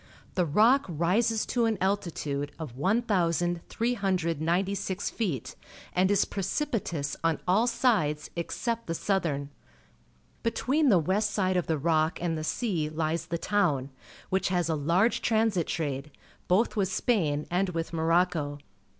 The rock rises to an altitude of 1,396 feet, and is Gibraltar from the South precipitous on all sides except the southern. Between the west side of the rock and the sea hes the town, wliich has a large transit trade both with Spain and with IMorocco.